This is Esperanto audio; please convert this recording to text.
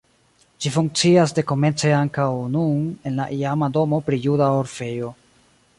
Ĝi funkcias dekomence ankaŭ nun en la iama domo pri juda orfejo.